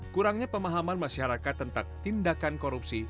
kurangnya pemahaman masyarakat tentang tindakan korupsi